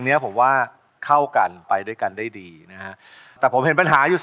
คอยนับวันให้เธอกลับมา